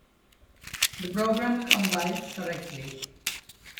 The program compiles correctly.